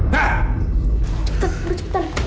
cepetan perlu cepetan